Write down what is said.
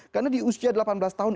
karena di usia delapan belas tahun